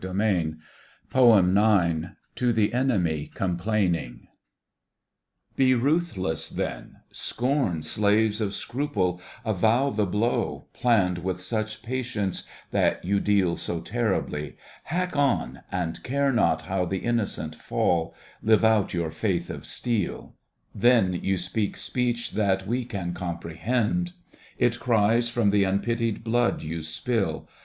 Digitized by Google 25 TO THE ENEMY COMPLAINING Be ruthless, then ; scorn slaves of scruple ; avow The blow, planned with such patience, that you deal So terribly ; hack on, and care not how The innocent fall ; live out your faith of steel. Then you speak speech that we can comprehend. It cries from the unpitied blood you spill.